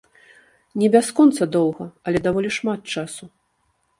Не бясконца доўга, але даволі шмат часу.